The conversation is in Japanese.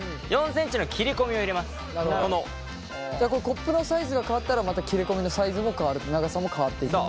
コップのサイズが変わったらまた切れ込みのサイズも変わる長さも変わっていく？